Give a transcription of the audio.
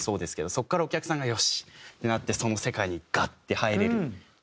そこからお客さんがよし！ってなってその世界にガッて入れる。